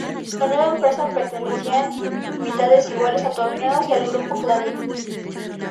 La nueva empresa pertenecía en mitades iguales a Torneos y al Grupo Clarín.